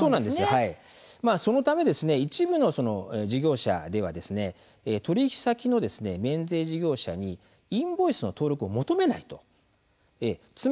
そのため、一部の事業者では取引先の免税事業者にインボイスの登録を求めないと。